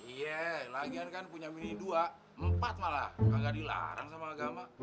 iya lagian kan punya mini dua empat malah nggak dilarang sama agama